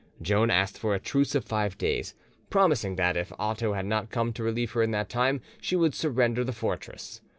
Joan asked for a truce of five days, promising that, if Otho had not come to relieve her in that time, she would surrender the fortress.